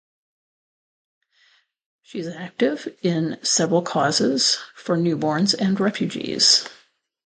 She is active in several causes for newborns and refugees.